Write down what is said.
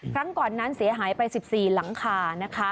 ครั้งก่อนนั้นเสียหายไป๑๔หลังคานะคะ